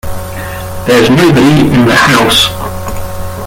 There's nobody in the house.